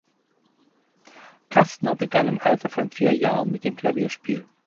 Kastner begann im Alter von vier Jahren mit dem Klavierspiel.